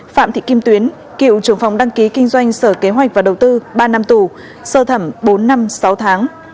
phạm thị kim tuyến cựu trưởng phòng đăng ký kinh doanh sở kế hoạch và đầu tư ba năm tù sơ thẩm bốn năm sáu tháng